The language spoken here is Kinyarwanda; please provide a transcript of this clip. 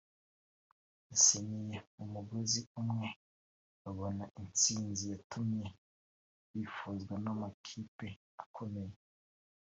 basenyeye umugozi umwe babona intsinzi yatumye bifuzwa n’amakipe akomeye